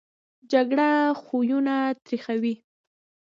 جګړه خویونه تریخوي